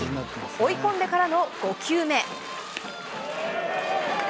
追い込んでからの５球目。